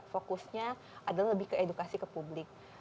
fokusnya adalah lebih ke edukasi ke publik